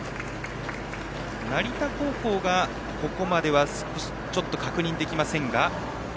成田高校がここまではちょっと確認できませんが。